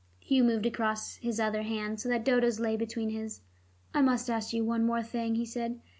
Hugh moved across his other hand, so that Dodo's lay between his. "I must ask you one more thing," he said.